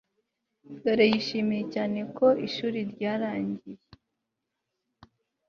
dore yishimiye cyane ko ishuri ryarangiye